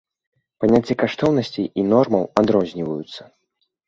Паняцце каштоўнасцей і нормаў адрозніваюцца.